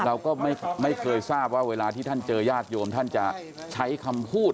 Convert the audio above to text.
เราก็ไม่เคยทราบว่าเวลาที่ท่านเจอญาติโยมท่านจะใช้คำพูด